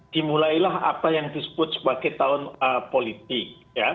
dimulailah apa yang disebut sebagai tahun politik